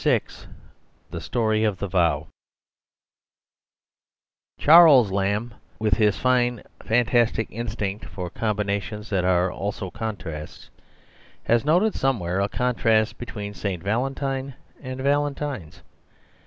—The Story of the Vow CHARLES LAMB, with his fine fan tastic instinct for combinations that are also contrasts, has noted some where a contrast between St Valen tine and valentines.